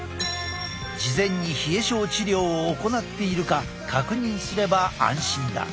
事前に冷え症治療を行っているか確認すれば安心だ。